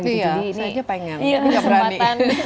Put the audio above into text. iya saya juga pengen